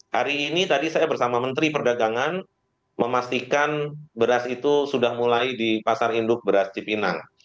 hari ini tadi saya bersama menteri perdagangan memastikan beras itu sudah mulai di pasar induk beras cipinang